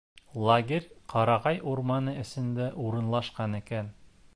Лагерь ҡарағай урманы эсендә урынлашҡан икән.